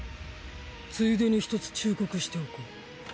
ついでに１つ忠告しておこう。